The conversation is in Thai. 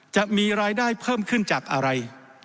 จะมีรายได้เพิ่มขึ้นจากอะไร